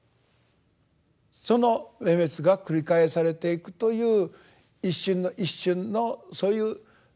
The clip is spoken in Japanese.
その明滅が繰り返されていくという一瞬の一瞬のそういう「生滅」